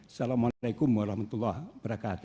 assalamu alaikum warahmatullah wabarakatuh